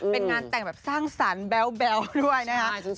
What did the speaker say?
เป็นงานแต่งแบบสร้างสรรค์แบ๊วด้วยนะคะ